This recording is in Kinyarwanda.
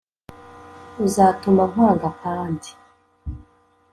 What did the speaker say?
Uzatuma nkwanga kandi